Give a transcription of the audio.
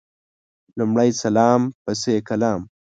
لمړی سلام پسي کلام